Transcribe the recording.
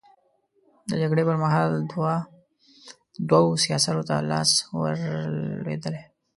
د جګړې پر مهال دوو سياسرو ته لاس ور لوېدلی.